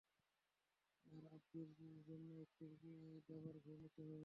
আর আব্বির জন্য একটি দাবার ঘর নিতে হবে।